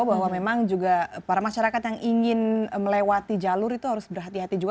bahwa memang juga para masyarakat yang ingin melewati jalur itu harus berhati hati juga